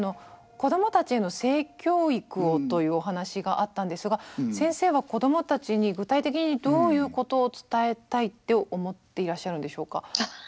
子どもたちへの性教育をというお話があったんですが先生は子どもたちに具体的にどういうことを伝えたいって思っていらっしゃるんでしょうか？